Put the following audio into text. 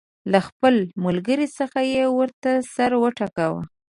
له خپل ملګري څخه یې ورته سر وټکاوه.